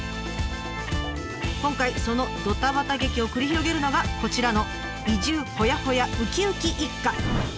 今回そのドタバタ劇を繰り広げるのがこちらの移住ほやほやウキウキ一家。